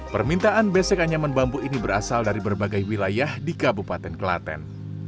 permintaan besek anyaman bambu ini berasal dari berbagai wilayah di kabupaten kelaten